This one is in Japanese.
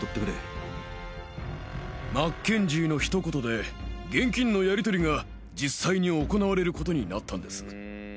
マッケンジーのひと言で。が実際に行われることになったんです。